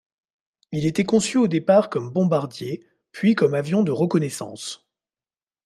Il était conçu au départ comme bombardier, puis comme avion de reconnaissance.